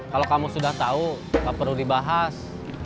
kalau kamu sudah tahu nggak perlu dibahas